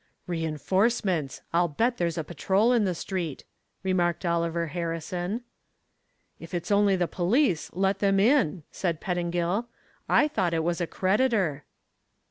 "Reinforcements. I'll bet there's a patrol in the street," remarked Oliver Harrison. "If it's only the police, let them in," said Pettingill. "I thought it was a creditor."